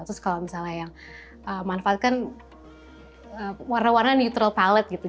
terus kalau misalnya yang manfaatkan warna warna neutral pilot gitu